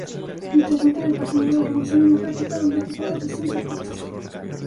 Integrante del Partido de la Revolución Democrática, donde ha ocupado distintos puestos.